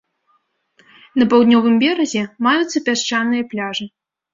На паўднёвым беразе маюцца пясчаныя пляжы.